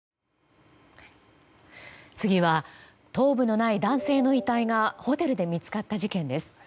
次は頭部のない男性の遺体がホテルで見つかった事件です。